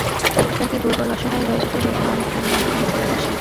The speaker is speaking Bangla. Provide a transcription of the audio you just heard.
শিকারকে দুর্বল অসহায় হয়ে যেতে দেখলে অনেক প্রাণীই আক্রমণ করে বসে।